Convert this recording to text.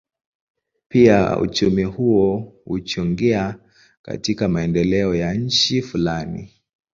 Pia uchumi huo huchangia katika maendeleo ya nchi fulani.